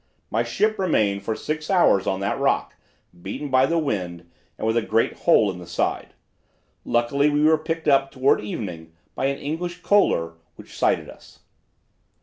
My ship remained for six hours on that rock, beaten by the wind and with a great hole in the side. Luckily we were picked up toward evening by an English coaler which sighted us."